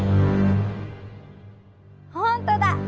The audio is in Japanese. ほんとだ！